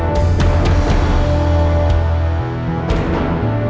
gapapa pepperedslash itu mamm